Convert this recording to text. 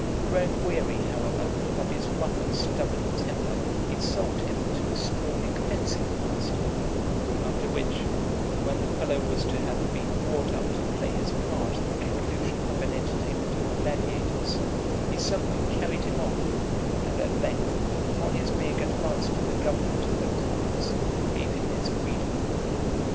Growing weary, however, of his rough and stubborn temper, he sold him to a strolling fencing master; after which, when the fellow was to have been brought up to play his part at the conclusion of an entertainment of gladiators, he suddenly carried him off, and at length, upon his being advanced to the government of a province, gave him his freedom.